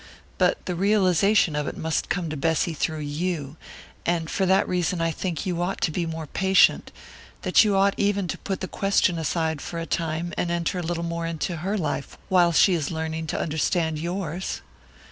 But the realization of it must come to Bessy through you, and for that reason I think that you ought to be more patient that you ought even to put the question aside for a time and enter a little more into her life while she is learning to understand yours."